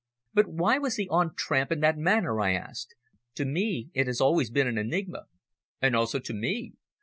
"But why was he on tramp in that manner?" I asked. "To me it has always been an enigma." "And also to me.